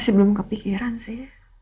masih belum kepikiran sih